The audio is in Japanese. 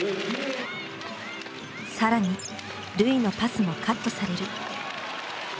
更に瑠唯のパスもカットされる。